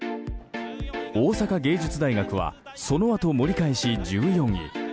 大阪芸術大学はそのあと盛り返し１４位。